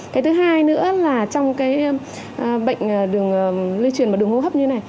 cái thứ hai nữa là trong cái bệnh lưu truyền và đường hô hấp như thế này